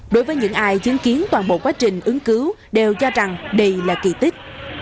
đối với những ai chứng kiến toàn bộ quá trình ứng cứu đều cho rằng đây là kỳ tích